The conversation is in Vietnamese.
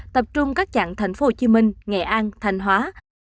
tập trung các chặng thành phố hồ chí minh nghệ an thành hóa